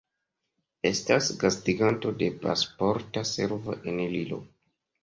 Estas gastiganto de Pasporta Servo en Lillo.